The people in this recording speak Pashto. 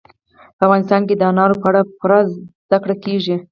په افغانستان کې د انارو په اړه پوره زده کړه کېږي.